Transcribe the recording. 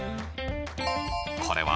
これは？